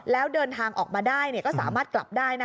แล้วเดินทางออกมาได้ก็สามารถกลับได้นะ